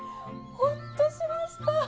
ホッとしました！